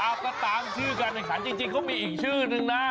เอาก็ตามชื่อการแข่งขันจริงเขามีอีกชื่อนึงนะ